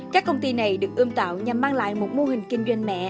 các công ty này được ươm tạo nhằm mang lại một mô hình kinh doanh mẹ